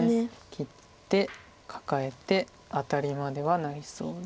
切ってカカえてアタリまではなりそうです。